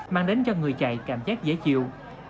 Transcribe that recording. mang đến cho người chạy cảm giác dễ chịu